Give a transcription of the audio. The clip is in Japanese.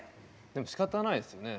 でもしかたないですよね。